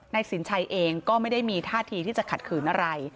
สินชัยเองก็ไม่ได้มีท่าทีที่จะขัดขืนอะไร